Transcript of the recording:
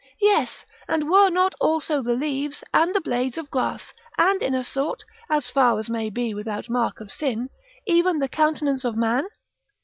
Yes, and were not also the leaves, and the blades of grass; and, in a sort, as far as may be without mark of sin, even the countenance of man?